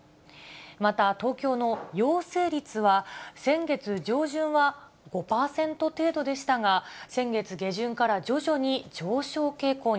また東京の陽性率は、先月上旬は５％程度でしたが、先月下旬から徐々に上昇傾向に。